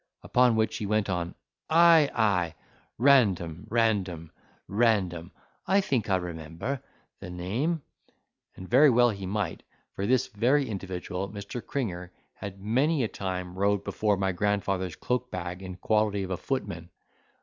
Upon which he went on, "Ay, ay, Random, Random, Random—I think I remember the name:" and very well he might, for this very individual, Mr. Cringer, had many a time rode before my grandfather's cloak bag, in quality of a footman.